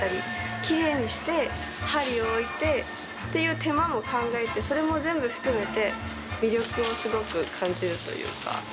きれいにして、針を置いて、っていう手間も考えて、それも全部含めて、魅力をすごく感じるというか。